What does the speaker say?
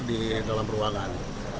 di dalam ruangan